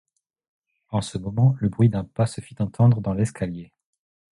En ce moment le bruit d’un pas se fit entendre dans l’escalier.